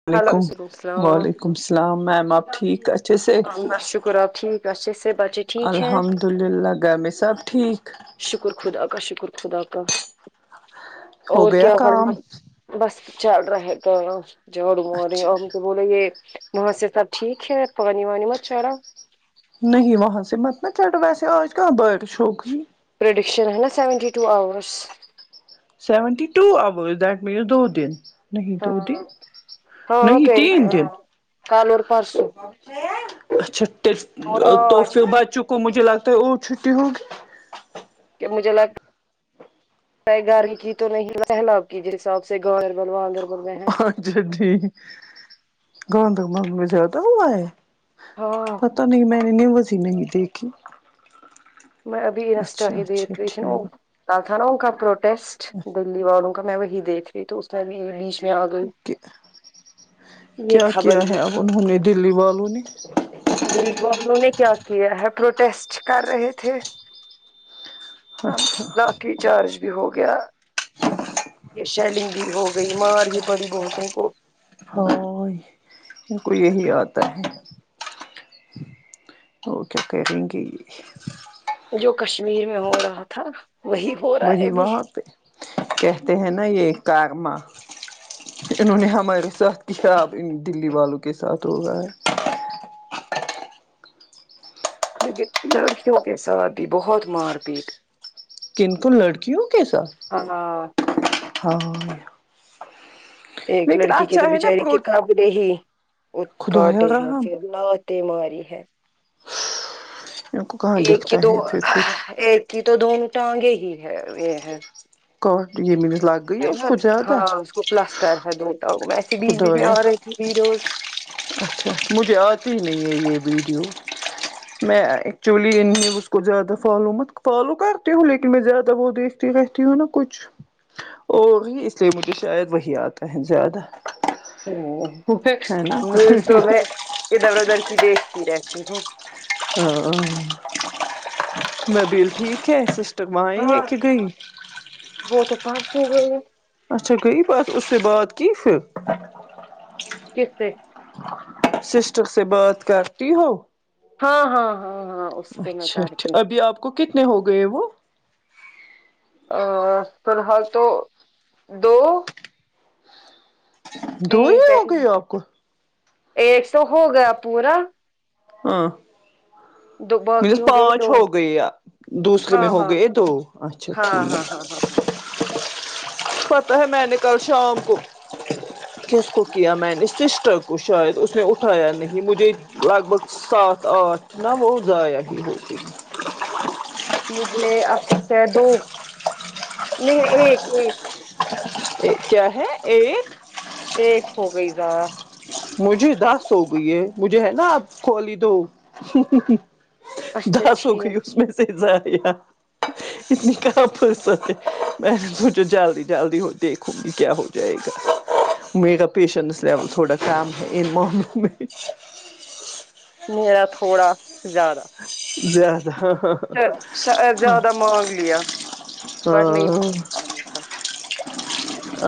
الل ہلو علیکم وعلیکم السلام وعلیکم السلام میم آپ ٹھیک اچھے سے ہم بس شکر آپ ٹھیک اچھے سے بچے ٹھیک ہے الحمد للہ گئے میں سب ٹھیک شکر خدا کا شکر خدا کا ہو اور گیا کیا کام ہو بس چل رہا تو جوڑ م رہی اچھا اور م سے بولے یہ نا سے سبٹھیک ہے پانی وانی مت چارا نہیں وہاں سے مت نہ چٹو ویسے آج کہاں بارشھوکریی پریڈکشن ہے نا seventy two hours seventy two that means دو دن نہیں دو دن ہاں ہاں نہیں ٹوین- تین دن ہاں، کل اور پرسوں اچھا تل اور آج توفو بھی بچوں کو مجے لگتا ا چھٹٹی ہ کہ مجھے لگتا پ گاری کی تو نہیں سیلاب کی جس حساب سے گربلدربل میں ہے اں ج ج گوتک مند میں زیادہ ہوا ہے [unintelligible] ہاں پتہ نہیں میں نے وزی نہیں دیکھی میں ابھی انسٹہ اچھا ہی اچھا دیکھ رہی تھی وہ ٹھیک تھا نا کا پروٹیسٹ دلی والوں کا میں وہی دیکھ رہی تو اس میں بھی بیچ میں آ گئی اوک یہ کیا خبر کیا ہے بھی اب تھی انہوں نے دلی والوں نے دلیپ ب انہوں نے کیا کیا ہے پروٹیسٹ کر رہے تھے اچھا لاٹھی چارج بھی ہو گیا یہ شیلنگ بھی ہو گئی مار بھی پڑی بہتو کو ہائے ان کو یہی آتا ہے اوکے اوکے رنکی جو کشمیر میں ہو رہا تھا وہی ہو رہا ہے وہی ابھی وہاں پہ کہتے ہیں نا یہ کارما انہوں نے ہمارے ساتھ کیا اب ان دلی والوں کے ساتھ رگا ہے ل لڑکیوں کے ساتھ بھی بہت مار پیٹ کن کن لڑکیوں کے ساتھ ہاں ہاں ایک لیکن لڑکی کے اچھا تو ہے نا بچاریے کے پروٹ کپڑے ہی خدایا کاٹے ہیں رحم بیماری ہے ان کو کہاں ایک ہی دکھتا دو ہے پھر کچھ ایک ہی تو دونوں ٹانگے ہی ہے یہ ہے کٹ یہ مینس لا ہے نا ہاں اس کو پلسٹر ہے دو ویسے بیچ بیچ میں خدایا آ رہی تھی ویڈوز اچھا مجھے آتی ہی نہیں ہے یہ ویڈیو میں ایکچولی ان نیوز کو زیادہ فالو مت فالو کرتی ہوں لیکن میں زیادہ وہ دیکھتی رہتی ہوں نا کچھ اور اس لیے مجھے شاید وہی آتا ہے زیادہ ہ ہے نا میز تو میں ادھر ادھر کی دش بھی رہتی ہوں ہاں نبیل ٹھیک تو بیں ہے ہاں کہ گئی وہ تو پانچ ہو گئے اچھا گئی بات اس سے بات کی پھر کس سے سسٹر سے بات کرتی ہو ہاں ہاں ہاں ہاں سے میں کر اچھاھ کے ابھی آپ کو کتنے ہو گئے وہ ا فی الحال تو دو ت دو ہی چ ہو گئے آپ کو ایک سو ہو گیا پورا ہاں دو باقی مینس گئے پانچ دو ہو گئی دوسرے میں ہاں ہو ہاں گئے دو اچھا ہاں ٹھیک ہاں ہاں ہاں ہاں پتا ہے میں نے کل شام کو کس کو کیا میں نے سسٹر کو شاید اس نے اٹھایا نہیں مجھے لگ بھگ سات آٹھ نا وہ ضائع ہی ہوتی مجھے آب سے دو نہیں ایک ایک کیا ہے ایٹ پج ہو گئی گا مجھے دس ہو گئی ہے مجھے ہے نا آپ کھلی دو اچھا دس ہو گئی ٹھیک اس میں سے ضائع اتنی کم میں سوچو جلدی جلدی دیکھوں گی کیا ہو جائے گا میرے کاا پیشنس لیول تھوڑا کام ہے ان معاملوو میں میرا تھوڑا ز زیادہ زیادہ مانگ لیا بٹ نہیں منت چے گ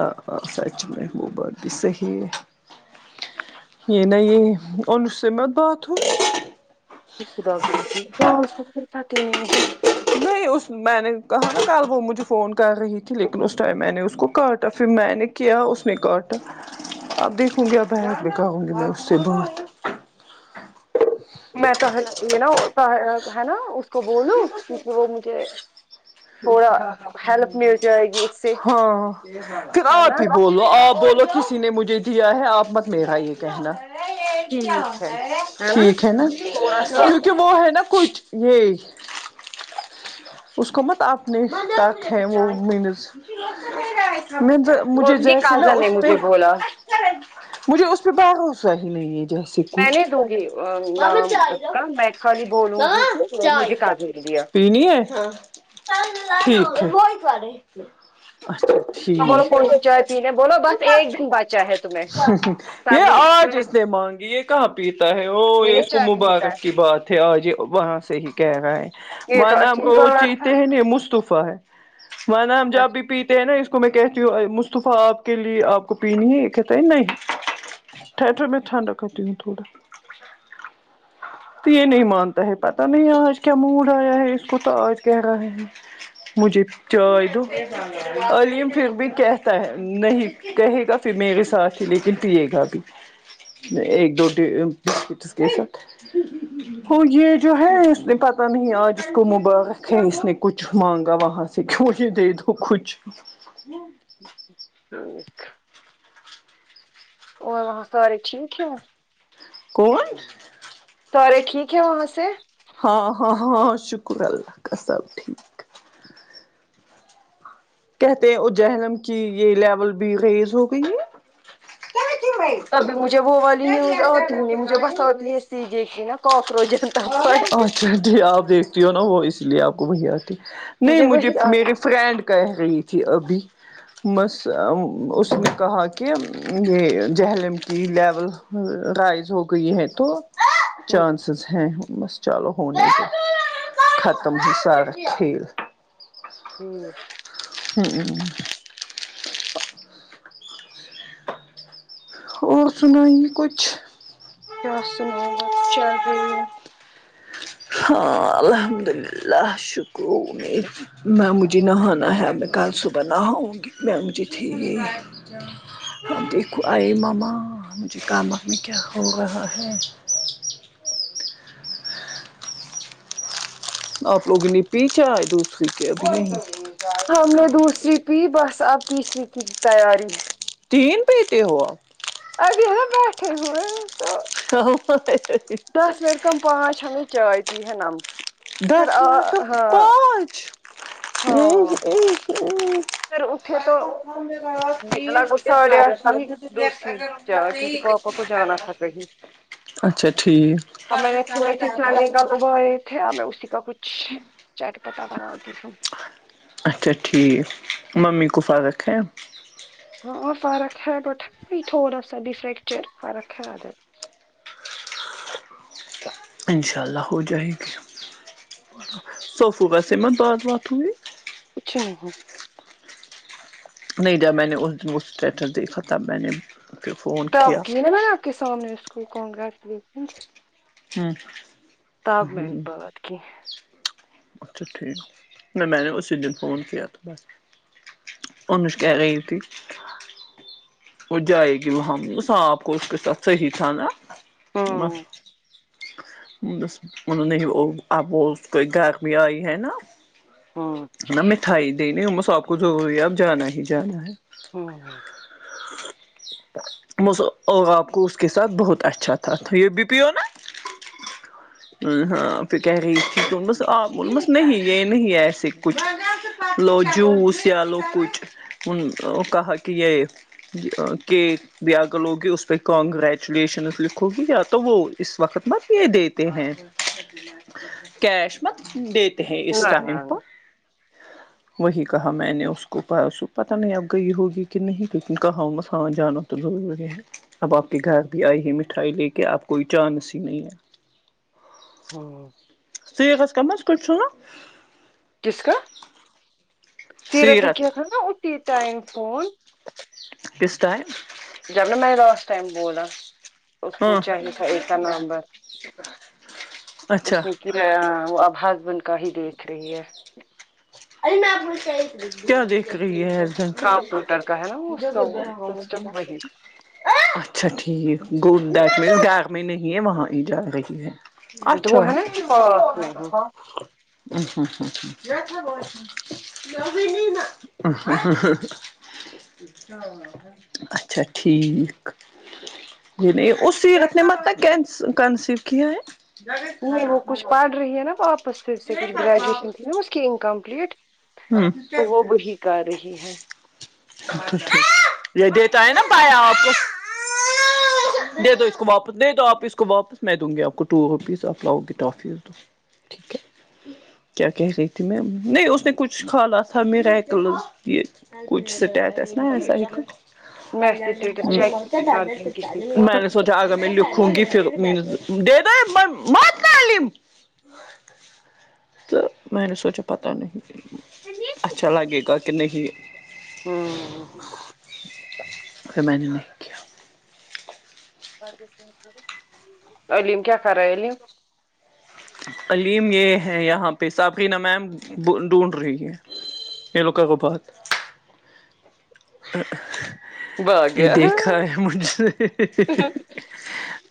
آ سچ میں وہ بات بھی صحیح ہے یہ نہ یہ ان سے مت بات ہوئی نہیں خدا کی قسم پتا ہی نہیں ہے نہیں اس میں نے کہا نا کل وہ مجھے فون کر رہی تھی لیکن اس ٹائم میں نے اس کو کاٹا پھر میں نے کیا اس نے کاٹا اب دیکھوں گی ا بک میں کہاؤں گی میں اس سے بات میں تو یہ نا ہے نا اس کو بولوں کیونکہ وہ مجھے تھوڑا ہیلپ مل جائے گی اس سے ہاں پھر ہے آپ نا ہی بولو آپ بولو کسی نے مجھے دیا ہے آپ مت میرا یہ کہنا ٹھیک ہے نا تھوڑا سا کم ہے نا کچھ [inaudible] اس کو مت اپنے تک ہے وہ م تو وہ مجھے ان کی جیسے نا کازن اس نے پہ مجھے بولا مجھے اس پہ بھروسہ ہی نہیں ہے جسے میں کچھ نہیں دوں گی آ، مام نام چائے اس دو کا میں خالی بولوں گی ہاں کہ چائے مجھے کازن نے دیا پی نہیں ہے ٹھیک بولو کون سی چائے پینے بولو بس ایک دن بچا ہے تمہیں یہ آج ات مانگ یہ کہاں پیتا ہے وہ یہ نہیں اس کو چائے پیتا مبارک کی بات تھے اورج وہاں سے ہی کہہ رہا ہے یہ وہ تو نام اچھی کو وہ بات چیتے ہے ہیں مصطفی ہے ونم جابی پی ہے نا اس کو میں کہتی ہوں مصطفی آپ کے لیے آپ کو پینی ہے یہ کہتا ہے نہیں تھو میں چھنڈا کنٹنیو تھوڑا تو یہ نہیں مانتا ہے پتا نہیں آج کیا موڈ آیا ہے پت آج کہہ رہا ہے مجھے چائے دو علیم پھر بھی کیسا ہے نہیں کہے گا پھر میرے ساتھ ہی لیکن پیے گا بھی ایک دوٹی بسکٹس کے سات وہ یہ جو ہے اس پت نہیں آج اس کو مبار ہے اس نے کچھ مانگا وہاں سے کیوں یہ دے دو کچھ ہوں اوک ااں ساراری ٹھیک ہے [unintelligible] تورے ٹھیک ہے وہاں سے ہاں ہاں ہاں ہاں شکر اللہ کا سب ٹھیک کہتے ہیں اجہلم کی یہ لیول بھی ریز ہو گئی ہے تبھی مجھے وہ والی نیوز آتی نہیں مجھے بس آتی ہے سیھے کی نا کاکروچ جنتا پارٹی اچھا جی آپ جی ہو نا وہ اس لیے آپ کو وہی آتی نہیں مجھے وہی میرے آنا فرینڈ کہہ رہی تھی ابھی بس اس نے کہا کہ یہ جہلم کی لیول رائز ہو گئی ہے تو چانس ہ بس چلو ہونے گ ختم ہی سارا کھیل [unintelligible] [inaudible] اور سنائی کچھ کیا سناؤ بس چل رہی ہے ہاں الحمد للہ شکر امید میں مجھے نہانا ہے میں کل صبح نہاؤں گی میں مجھے تٹھی ہی دیکھو آئی ماما مجھے کام آ میں کیا ہو رہا ہے آپ لوگ لپی چائے دوسری کےب نہیں ہم نے دوسری پی بس اب تیسری کی تیاری تین پتے ہو ابھی بیٹھ ہو تو ہ [inaudible] دس منٹ کم پانچ ہن چائے پی ہےا نمک [unintelligible] پھر دس آ منٹ کا ہاں پانچ ہاں ب پھر اٹھے تو لگ ب دگر جا کیونکہ پاپا کو جانا تھا کہیں [inaudible] ٹھیک ا میں نے تھوڑ سے چل کا تھے میں اسی کا کچھ چٹ پتہ بناتی ہوں اچھا ٹھیک ممی گفگت ہے اں اور فرق ہے ٹوٹ تھوڑا سا ڈ فرییکچر فرق ہے ادت انشاء اللہ ہو جائے گی صوفو بسے میں بعاز وات توی کچھ نہیں [unintelligible] نہیں جب میں نے اس دن کو اسٹیریٹس دیکھا تب میں نے پھر فون تب کیا گ نا میں آ کے سامنے اسکول کون گھر سے ہاں [unintelligible] تگ م میں نے بعد کینہ [unintelligible] اچھا ٹھیک ن میں نے نے اس دن فون کیا تو بس انن اس کہہ رہی تھی وہ جائے گ اللہم صاف خوش کوش ت صحیح انا بس ہوں بس مطل نہیں اب اس کوئی گرمی آئی ہے نا [unintelligible] ہوں ن مٹھائی د نہیں ہوں میں س آب کو ضروری ہے اب جانا ہی جانا ہے ہوں ہوں [inaudible] م آاب کو ا اس کے ساتھ بہت اچھا تھا یہ بھی پیو نا ہ ہاں پ کہہ رہی بس آپ بول بس نہیں یہ نہیں ایسے کچھ لو جوس یا لو کچھ ان کہا کہ یہ ج کہ [unintelligible] بھییاگلوگی اس پہ کنگریچولیشن لکھو گی یا تو وہ اس وقت مت یہ دیتی ہیں کیش مت دیتے ہیں اس نہ ٹائم نہ پر ہ نہ [inaudible] وہی کہا میں نے اس کو پتہ نہیں اب گئی ہوگی کہ نہیں کییکن کہاں ہو مساں جانو تو لوگ لگے ہیں اب آپ کے گھر بھی آئی ہے مٹھائی لے کے آپ کوئی چانس ہی نہیں ہے [unintelligible] ہوں [inaudible] سٹییکح کمز کٹھ چ وہ جس کا سیرت کت نا ات ہی ٹائم فون [unintelligible] پسٹائ [unintelligible] جب ن میں لاسٹ ٹائم بو رہا اس کو ہاں چاہیے تھا ایکا نومبر اچھا اس نے وہ اب ہسبینڈ کا ہی دیکھ رہی ہے [unintelligible] ال میں آپ ب چی [unintelligible] کیا دیکھ رہی ہےن کمپیوٹر کا ہے نا وہ اس کا وہ سسٹم وہی [unintelligible] اچھا ٹھیک گڈ دیٹ میں بیغ میں نہیں ہے وہاں ہی جا رہی ہے [unintelligible] اچھا دو [unintelligible] ہے نا کہ پاس میں ہے، [inaudible] اچھا ٹھیک ج نہیں اس سیرت نے مت کنسیو کیا ہے نہیں وہ کچھ پڑھ رہی ہے نا واپس پھر سے کچھ گریجویشن تھی نا اس کی انکمپلیٹ تو وہ بھیی کر رہی ہے یہی دی تو آئی نا بیاں آپ دے دو اس کو واپس دے دو آپ اس کو واپس میں دوں گی آپ کو ٹووپیس آپ لاؤ گی ٹافیز ٹھیک ہے کیا کہہ رہی تھی میںیم نہیں اس نے کچھ س حالات تھا م ریکلز یہ کچ سٹیٹس نہ ہے سائیکل میں اسٹیٹس چیک ہی کرتی ہوں کسی کا میں نے سوچا آ گا مو ہوں گی پھر م دے د ماتم تو میں نے سوچا پت نہیں اچھا لگے گا کہ نہیں ہوں س میں کیا علم کیا کرے عللم علیم یہ ہے یہاں پہ صافری نمم ڈھونڈ رہی ہے یہ لوک کو بات بھاگ یہ گیا دیکھا ہے مج سے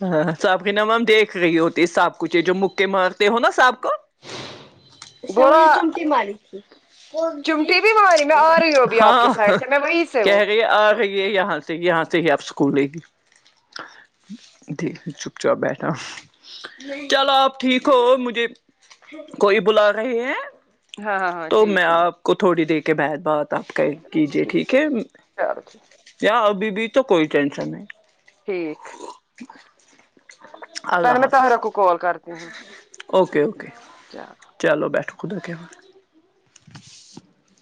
ہاں صاحب کے نام ہم دیکھ رہی ہوتی صاب کچھ جو مکے مارتے ہو نا صاب کو اس س مجھ بولا نے چمٹی ماری تھی کون چمٹی بھی ماری س میں آ رہی ہوں ابھی آپ کے ہاں سائڈ سے میں وہیں سے کہہ ہوں آ گئی ہے یہاں سے یہاں سے ہی آپ اسکول لے گی چپ چاپ بیٹھا چلو آپ ٹھیک ہو مجھے کوئی بلا رہے ہیں ہاں ہاں ہاں تو ٹھیک میں ٹھیک آپ کو تھوڑی دے کے بت بات آپ کا کیجے ٹھیک ہے چلو ٹھیک یا ابھی بھی تو کوئی ٹینشن نہیں ٹھیک اللہ پہلے میں حافظ طاہرہ کو کال اوکے اوکے اچ کیا [unintelligible] چلو بیٹھو خدا کےال